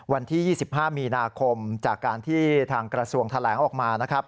วันที่๒๕มีนาคมจากการที่ทางกระทรวงแถลงออกมานะครับ